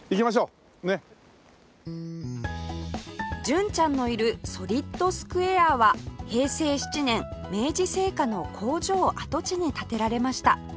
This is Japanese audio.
純ちゃんのいるソリッドスクエアは平成７年明治製菓の工場跡地に建てられました